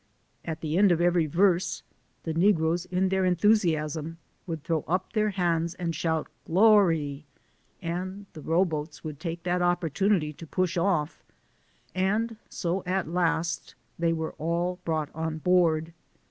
1 At the end of every verse, the negroes in their enthusiasm would throw up their hands and shout 42 SOME SCENES IN THE " Glory," and the row boats would take that op portunity to push off; and so at last they were all brought on board.